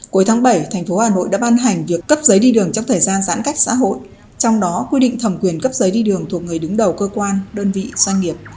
cuối tháng bảy thành phố hà nội đã ban hành việc cấp giấy đi đường trong thời gian giãn cách xã hội trong đó quy định thẩm quyền cấp giấy đi đường thuộc người đứng đầu cơ quan đơn vị doanh nghiệp